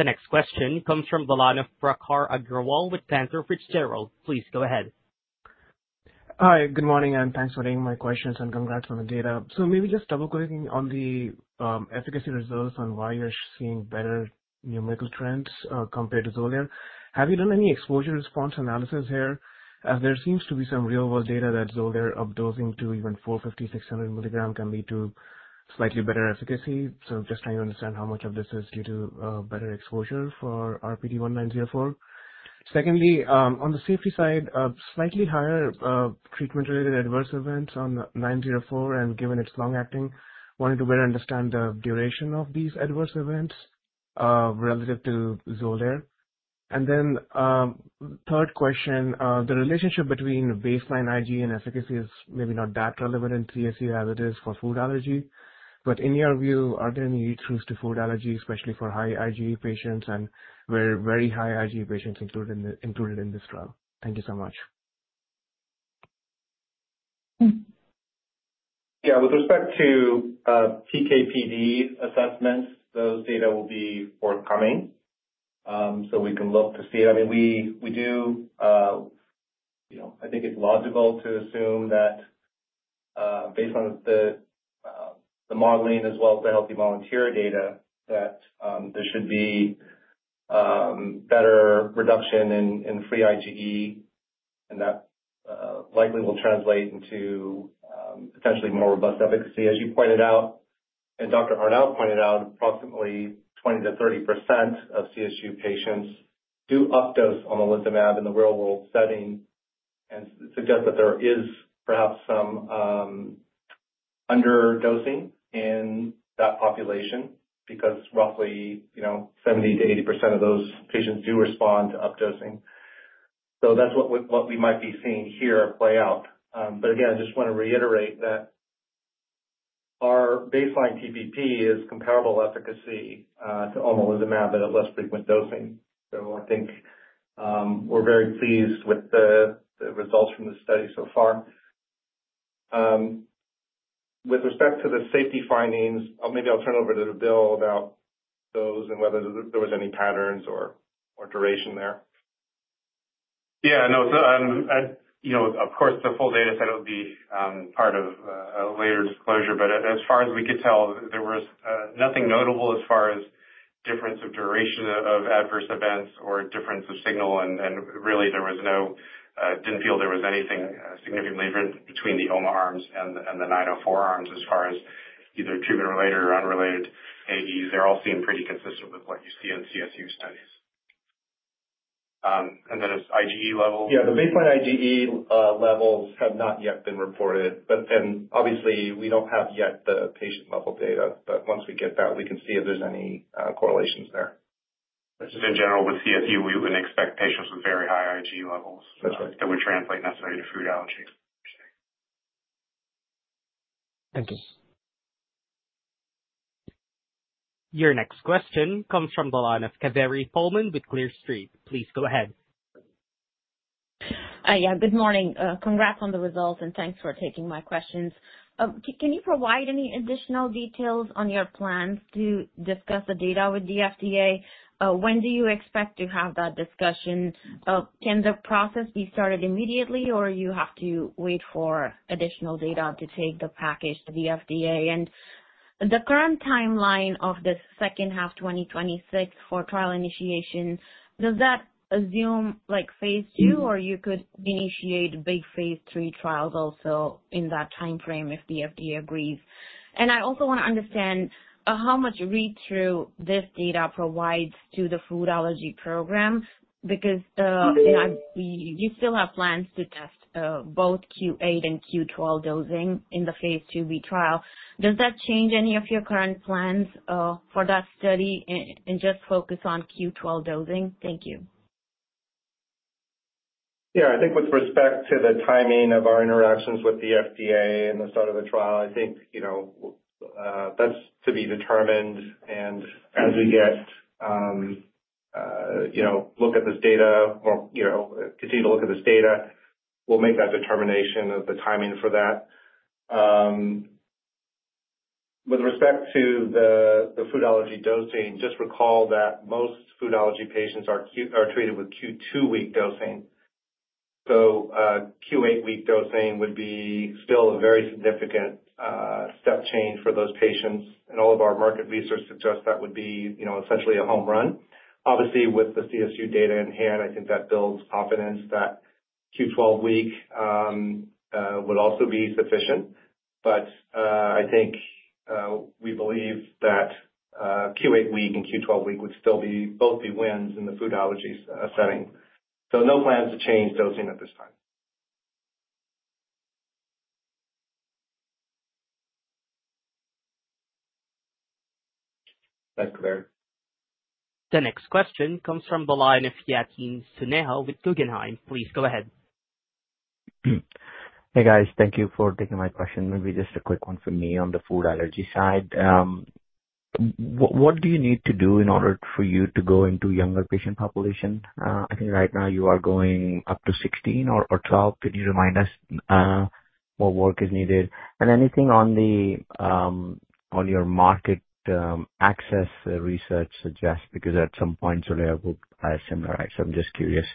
The next question comes from the line of Prakhar Agrawal with Cantor Fitzgerald. Please go ahead. Hi. Good morning. And thanks for taking my questions and congrats on the data. So maybe just double-clicking on the efficacy results and why you're seeing better numerical trends compared to Xolair. Have you done any exposure response analysis here? There seems to be some real-world data that Xolair updosing to even 450 mg, 600 mg can lead to slightly better efficacy. So I'm just trying to understand how much of this is due to better exposure for RPT904. Secondly, on the safety side, slightly higher treatment-related adverse events on 904, and given it's long-acting, wanting to better understand the duration of these adverse events relative to Xolair. And then third question, the relationship between baseline IgE and efficacy is maybe not that relevant in CSU as it is for food allergy. But in your view, are there any truths to food allergy, especially for high IgE patients and very high IgE patients included in this trial? Thank you so much. Yeah. With respect to PKPD assessments, those data will be forthcoming so we can look to see. I mean, we do. I think it's logical to assume that based on the modeling as well as the healthy volunteer data, that there should be better reduction in free IgE, and that likely will translate into potentially more robust efficacy. As you pointed out, and Dr. Giménez-Arnau pointed out, approximately 20%-30% of CSU patients do updose Omalizumab in the real-world setting and suggest that there is perhaps some underdosing in that population because roughly 70%-80% of those patients do respond to updosing. So that's what we might be seeing here play out. But again, I just want to reiterate that our baseline TPP is comparable efficacy to Omalizumab at less frequent dosing. So I think we're very pleased with the results from the study so far. With respect to the safety findings, maybe I'll turn it over to Will about those and whether there were any patterns or duration there. Yeah. No. Of course, the full data set will be part of a later disclosure. But as far as we could tell, there was nothing notable as far as difference of duration of adverse events or difference of signal. And really, there was no, didn't feel there was anything significantly different between the OMA arms and the 904 arms as far as either treatment-related or unrelated AEs. They're all seen pretty consistent with what you see in CSU studies. And then as IgE levels. Yeah. The baseline IgE levels have not yet been reported. And obviously, we don't have yet the patient-level data. But once we get that, we can see if there's any correlations there. Just in general, with CSU, we wouldn't expect patients with very high IgE levels that would translate necessarily to food allergy. Thank you. Your next question comes from the line of Kaveri Pohlman with Clear Street. Please go ahead. Hi. Yeah. Good morning. Congrats on the results, and thanks for taking my questions. Can you provide any additional details on your plans to discuss the data with the FDA? When do you expect to have that discussion? Can the process be started immediately, or do you have to wait for additional data to take the package to the FDA? And the current timeline of the second half, 2026, for trial initiation, does that assume phase II, or you could initiate big phase III trials also in that timeframe if the FDA agrees? And I also want to understand how much read-through this data provides to the food allergy program because you still have plans to test both Q8 and Q12 dosing in the phase II-B trial. Does that change any of your current plans for that study and just focus on Q12 dosing? Thank you. Yeah. I think with respect to the timing of our interactions with the FDA and the start of the trial, I think that's to be determined. And as we look at this data or continue to look at this data, we'll make that determination of the timing for that. With respect to the food allergy dosing, just recall that most food allergy patients are treated with Q2 week dosing. So Q8-week dosing would be still a very significant step change for those patients. And all of our market research suggests that would be essentially a home run. Obviously, with the CSU data in hand, I think that builds confidence that Q12-week would also be sufficient. But I think we believe that Q8-week and Q12-week would still both be wins in the food allergy setting. So no plans to change dosing at this time. Thanks, Kaveri. The next question comes from the line of Yatin Suneja with Guggenheim. Please go ahead. Hey, guys. Thank you for taking my question. Maybe just a quick one for me on the food allergy side. What do you need to do in order for you to go into a younger patient population? I think right now you are going up to 16 or 12. Could you remind us what work is needed? And anything on your market access research suggests? Because at some point, Xolair biosimilars. I'm just curious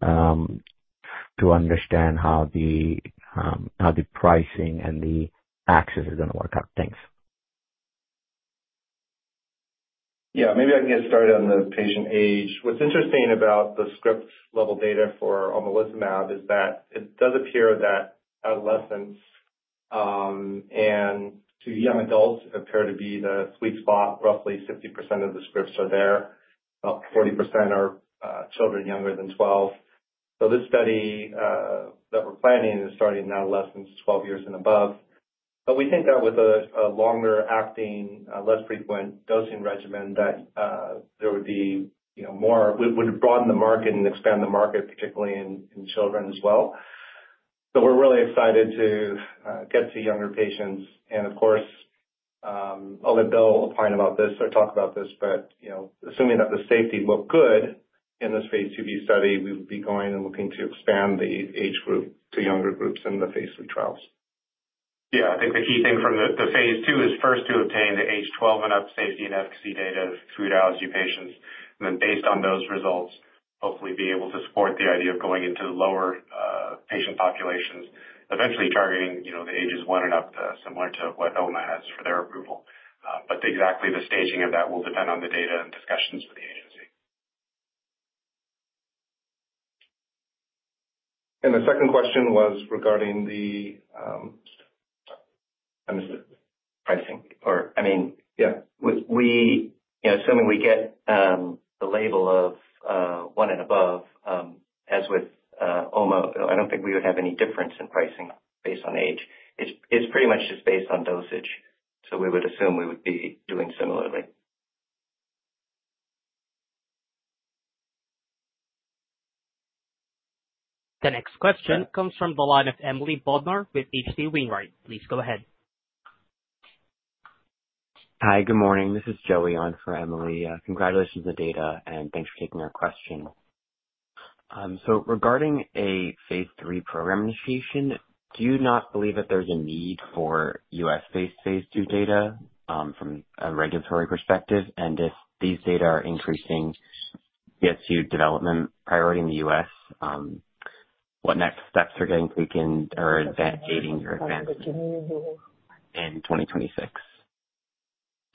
to understand how the pricing and the access is going to work out. Thanks. Yeah. Maybe I can get started on the patient age. What's interesting about the script-level data for Omalizumab is that it does appear that adolescents and too young adults appear to be the sweet spot. Roughly 60% of the scripts are there. About 40% are children younger than 12. So this study that we're planning is starting in adolescents 12 years and above. But we think that with a longer-acting, less frequent dosing regimen, that there would broaden the market and expand the market, particularly in children as well. So we're really excited to get to younger patients. And of course, I'll let Will opine about this or talk about this. But assuming that the safety looked good in this phase II-B study, we would be going and looking to expand the age group to younger groups in the phase III trials. Yeah. I think the key thing from the phase II is first to obtain the age 12 and up safety and efficacy data of food allergy patients. And then based on those results, hopefully be able to support the idea of going into lower patient populations, eventually targeting the ages one and up similar to what OMA has for their approval. But exactly the staging of that will depend on the data and discussions with the agency. The second question was regarding the pricing, or. I mean. yeah. Assuming we get the label of one and above, as with OMA, I don't think we would have any difference in pricing based on age. It's pretty much just based on dosage, so we would assume we would be doing similarly. The next question comes from the line of Emily Bodnar with H.C. Wainwright. Please go ahead. Hi. Good morning. This is Joey on for Emily. Congratulations on the data, and thanks for taking our question. So regarding a phase III program initiation, do you not believe that there's a need for U.S.-based phase II data from a regulatory perspective? And if these data are increasing the FDA development priority in the U.S., what next steps are getting taken or aiming for advancement in 2026? And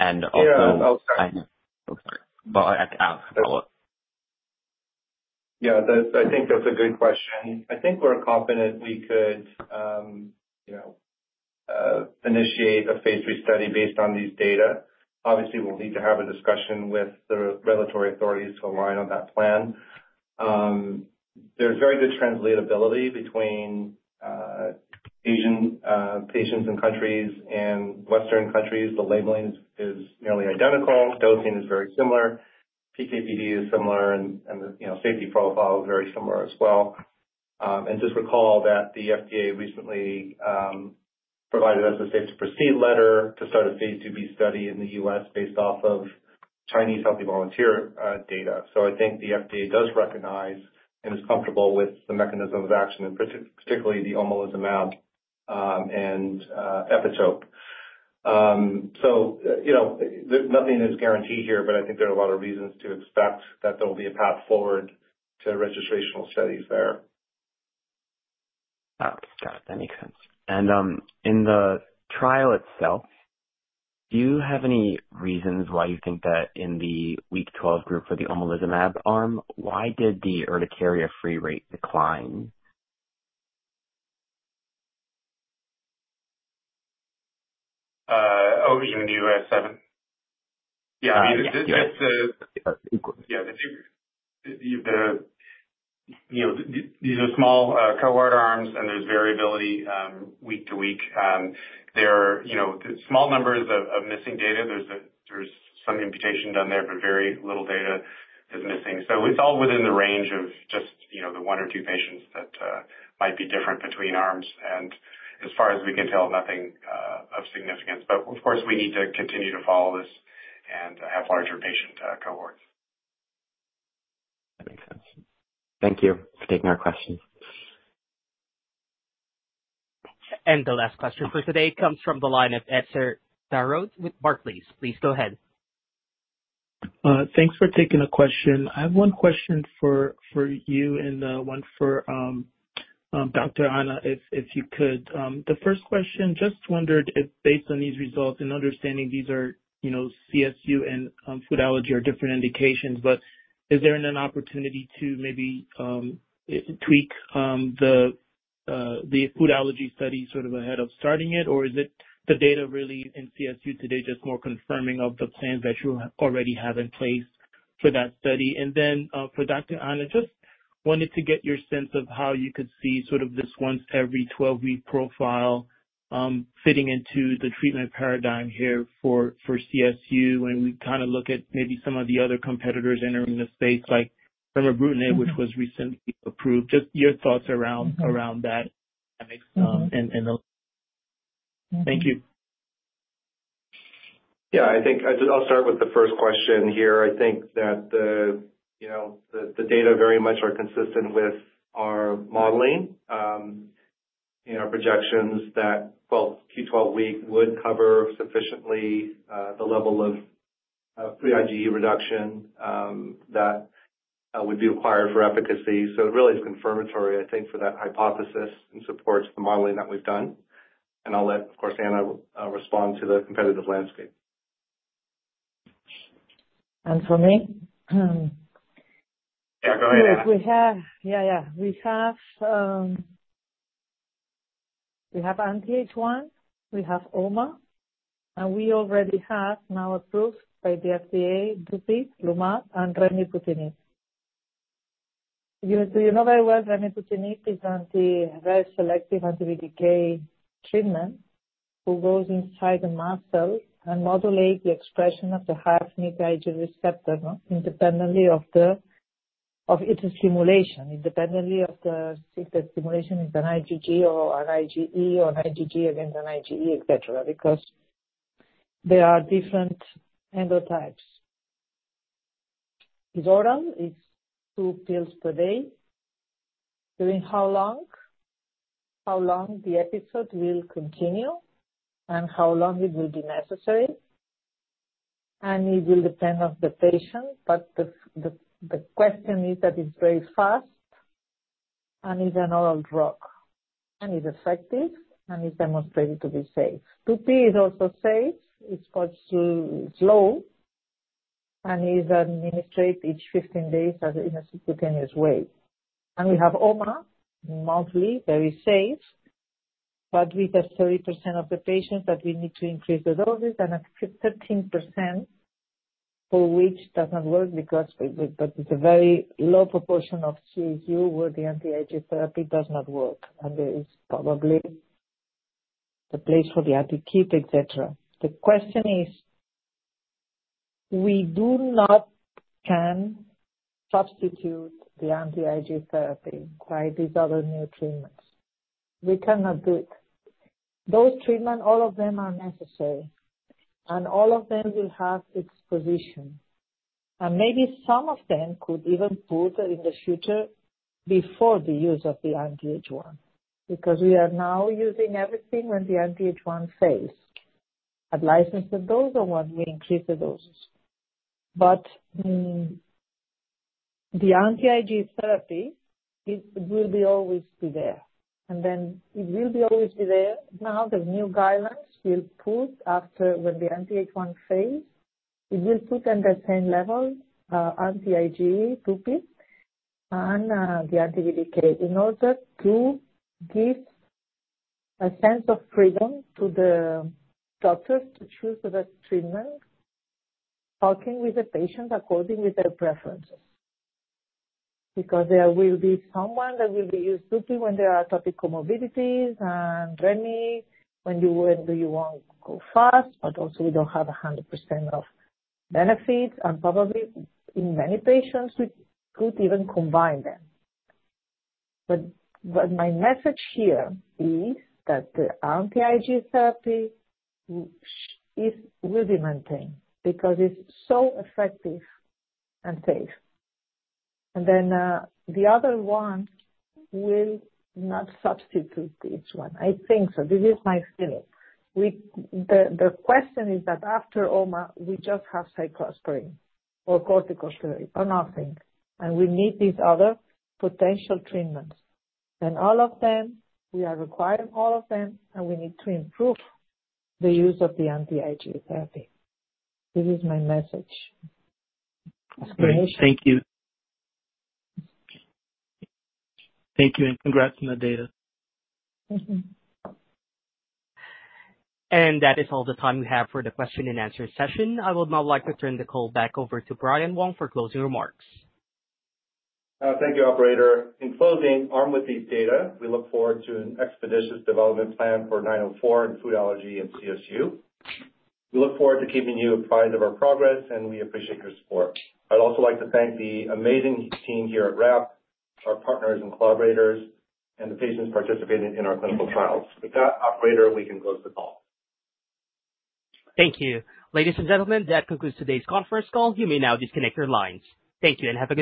also. Yeah. Oh, sorry. Sorry. I'll follow up. Yeah. I think that's a good question. I think we're confident we could initiate a phase III study based on these data. Obviously, we'll need to have a discussion with the regulatory authorities to align on that plan. There's very good translatability between Asian patients and countries and Western countries. The labeling is nearly identical. Dosing is very similar. PKPD is similar, and the safety profile is very similar as well. And just recall that the FDA recently provided us a safe-to-proceed letter to start a phase II-B study in the U.S. based off of Chinese healthy volunteer data. So I think the FDA does recognize and is comfortable with the mechanism of action, particularly the Omalizumab and epitope. So nothing is guaranteed here, but I think there are a lot of reasons to expect that there will be a path forward to registrational studies there. Got it. That makes sense. And in the trial itself, do you have any reasons why you think that in the week 12 group for the Omalizumab arm, why did the urticaria-free rate decline? Oh, you mean the UAS7? Yeah. I mean, just the. Yeah. These are small cohort arms, and there's variability week to week. There are small numbers of missing data. There's some imputation done there, but very little data is missing. So it's all within the range of just the one or two patients that might be different between arms. And as far as we can tell, nothing of significance. But of course, we need to continue to follow this and have larger patient cohorts. That makes sense. Thank you for taking our questions. And the last question for today comes from the line of Etzer Darout with Barclays. Please go ahead. Thanks for taking the question. I have one question for you and one for Dr. Ana, if you could. The first question, just wondered if based on these results and understanding these are CSU and food allergy are different indications, but is there an opportunity to maybe tweak the food allergy study sort of ahead of starting it? Or is it the data really in CSU today just more confirming of the plans that you already have in place for that study? And then for Dr. Ana, just wanted to get your sense of how you could see sort of this once-every-12-week profile fitting into the treatment paradigm here for CSU when we kind of look at maybe some of the other competitors entering the space like Remibrutinib, which was recently approved. Just your thoughts around that dynamics and the. Thank you. Yeah. I think I'll start with the first question here. I think that the data very much are consistent with our modeling and our projections that, well, Q12-week would cover sufficiently the level of free IgE reduction that would be required for efficacy. So it really is confirmatory, I think, for that hypothesis and supports the modeling that we've done. And I'll let, of course, Anna respond to the competitive landscape. For me. Yeah. Go ahead, Anna. Yeah. Yeah. We have anti-H1. We have OMA. And we already have now approved by the FDA Dupilumab, and Remibrutinib. You know very well Remibrutinib is a very selective anti-BTK treatment who goes inside the mast cells and modulates the expression of the high-affinity IgE receptor independently of its stimulation, independently of the stimulation with an IgG or an IgE or an IgG against an IgE, etc., because there are different endotypes. It's oral. It's two pills per day. During how long the episode will continue and how long it will be necessary. And it will depend on the patient. But the question is that it's very fast and is an oral drug. And it's effective, and it's demonstrated to be safe. Dupilumab is also safe. It's slow. And it's administered each 15 days in a subcutaneous way. And we have OMA monthly, very safe. But we have 30% of the patients that we need to increase the dosage and 13% for which does not work because it's a very low proportion of CSU where the anti-IgE therapy does not work. And there is probably a place for the anti-BTK, etc. The question is, we do not can substitute the anti-IgE therapy by these other new treatments. We cannot do it. Those treatments, all of them are necessary. And all of them will have a position. And maybe some of them could even be put in the future before the use of the anti-H1 because we are now using everything when the anti-H1 fails. At licensed dose or when we increase the doses. But the anti-IgE therapy will always be there. And then it will always be there. Now, the new guidelines will put after when the anti-H1 fails, it will put at the same level anti-IgE, Dupi, and the anti-BTK in order to give a sense of freedom to the doctors to choose the best treatment, talking with the patient according to their preferences. Because there will be someone that will be using Dupi when there are atopic comorbidities and Remy when you want to go fast, but also we don't have 100% of benefits, and probably in many patients, we could even combine them, but my message here is that the anti-IgE therapy will be maintained because it's so effective and safe, and then the other one will not substitute this one. I think so. This is my feeling. The question is that after OMA, we just have cyclosporine or corticosteroid or nothing, and we need these other potential treatments. All of them, we are requiring all of them, and we need to improve the use of the anti-IgE therapy. This is my message. Thank you. Thank you, and congrats on the data. That is all the time we have for the question-and-answer session. I would now like to turn the call back over to Brian Wong for closing remarks. Thank you, Operator. In closing, armed with these data, we look forward to an expeditious development plan for 904 and food allergy at CSU. We look forward to keeping you apprised of our progress, and we appreciate your support. I'd also like to thank the amazing team here at RAPT, our partners and collaborators, and the patients participating in our clinical trials. With that, Operator, we can close the call. Thank you. Ladies and gentlemen, that concludes today's conference call. You may now disconnect your lines. Thank you and have a good.